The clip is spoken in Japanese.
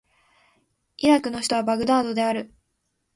イラクの首都はバグダードである